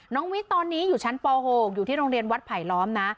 วิทย์ตอนนี้อยู่ชั้นป๖อยู่ที่โรงเรียนวัดไผลล้อมนะ